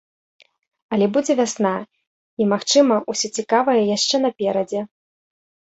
Але будзе вясна, і, магчыма, усё цікавае яшчэ наперадзе.